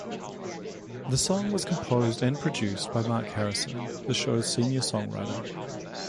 The song was composed and produced by Mark Harrison, the show's senior songwriter.